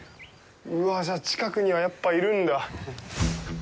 うわぁ、じゃあ、近くにはやっぱりいるんだ。